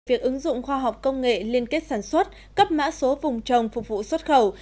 việc ứng dụng khoa học công nghệ liên kết sản xuất cấp mã số vùng trồng phục vụ xuất khẩu